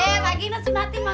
hai musuh otik